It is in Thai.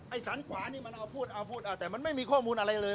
สันขวานี่มันเอาพูดเอาพูดเอาแต่มันไม่มีข้อมูลอะไรเลย